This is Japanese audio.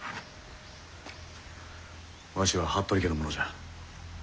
わしは服部家の者じゃ。